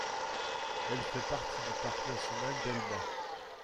Elle fait partie du parc national d'Elba.